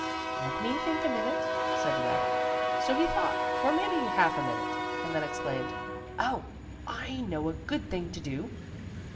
"Let me think a minute," said the rabbit. So he thought for maybe half a minute, and then exclaimed: "Oh! I know a good thing to do."